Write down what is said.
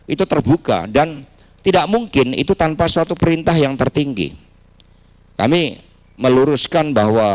itu terbuka dan tidak mungkin itu tanpa suatu perintah yang tertinggi kami meluruskan bahwa